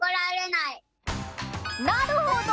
なるほど！